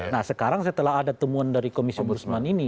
nah sekarang setelah ada temuan dari komisi ombudsman ini